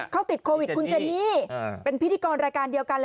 เขาติดโควิดคุณเจนี่เป็นพิธีกรรายการเดียวกัน